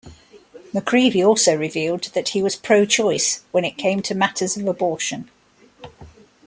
McCreevy also revealed that he was pro-choice when it came to matters of abortion.